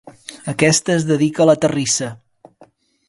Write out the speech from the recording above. Aquesta es dedica a la terrissa.